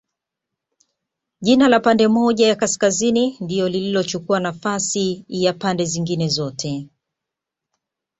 Jina la pande moja ya Kaskazini ndio lililochukua nafasi ya pande zingine zote